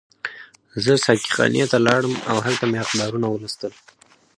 زه ساقي خانې ته لاړم او هلته مې اخبارونه ولوستل.